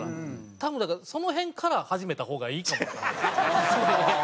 多分だからその辺から始めた方がいいかもわからないですね。